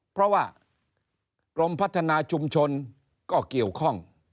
เพราะว่ากรมพัฒนาชุมชนก็เกี่ยวข้อง